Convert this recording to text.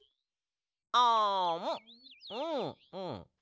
あむうんうん。